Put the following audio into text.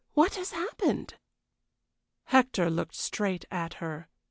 What has happened?" Hector looked straight at her.